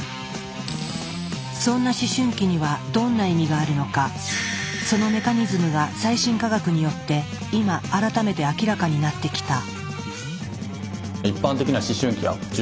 そんな思春期にはどんな意味があるのかそのメカニズムが最新科学によって今改めて明らかになってきた。